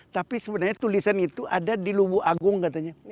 tapi sebenarnya tulisan itu ada di lubu agung katanya